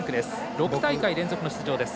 ６大会連続の出場です。